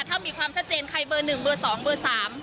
ถ้ามีความชัดเจนใครเบอร์๑เบอร์๒เบอร์๓